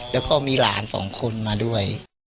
แล้วก็มีหลานสองคนมาด้วย